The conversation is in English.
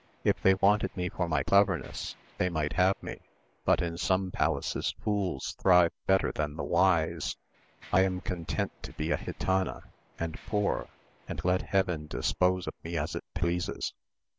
If they wanted me for my cleverness, they might have me; but in some palaces fools thrive better than the wise. I am content to be a gitana, and poor, and let Heaven dispose of me as it pleases."